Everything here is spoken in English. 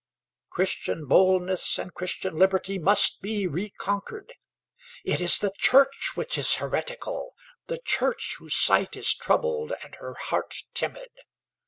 Christian boldness and Christian liberty must be reconquered; it is the Church which is heretical, the Church whose sight is troubled and her heart timid.